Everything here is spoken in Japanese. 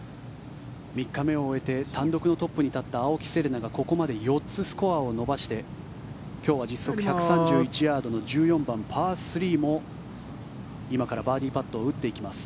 ３日を終えて単独のトップに立った青木瀬令奈がここまで４つスコアを伸ばして今日は実測１３１ヤードの１４番、パー３も今からバーディーパットを打っていきます。